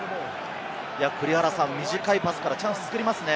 短いパスからチャンスを作りますね。